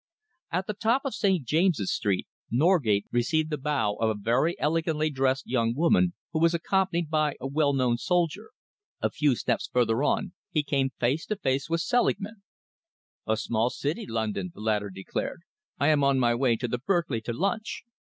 At the top of St. James's Street, Norgate received the bow of a very elegantly dressed young woman who was accompanied by a well known soldier. A few steps further on he came face to face with Selingman. "A small city, London," the latter declared. "I am on my way to the Berkeley to lunch.